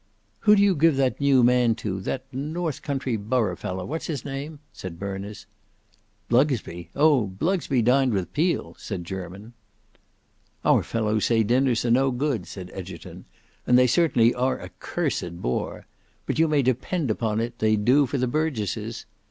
"Who do you give that new man to—that north country borough fellow;—what's his name?" said Berners. "Blugsby! Oh, Blugsby dined with Peel," said Jermyn. "Our fellows say dinners are no good," said Egerton; "and they certainly are a cursed bore: but you may depend upon it they do for the burgesses.